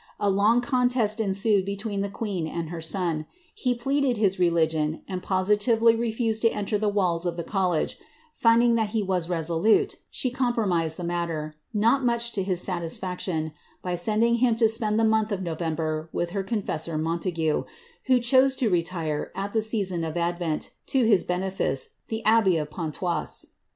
A long contest ensued between the queen and her son : he pleaded his religion, and positively refused to enter the walls of the college ; finding that he was resolute, she compromised the matter, not much to his satisfaction, by sending him to spend the month of November with her confessor Montague, who cliose to retire^ at the season of advent, to his benefice, the araej *Ineditt'(i paptT, iu the Sccrci Archives of France, Hotel de Soubise, Pahs, hf favour of M.